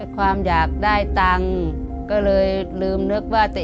ความอยากได้ตังค์ก็เลยลืมนึกว่าเตะ